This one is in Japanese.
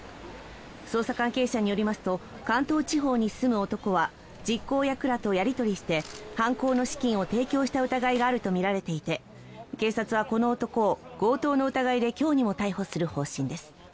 捜査関係者によりますと関東地方に住む男は実行役らとやり取りして犯行の資金を提供した疑いがあるとみられていて警察はこの男を強盗の疑いで今日にも逮捕する方針です。